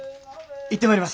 行ってまいります。